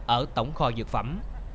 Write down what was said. ở tổng kho dược phẩm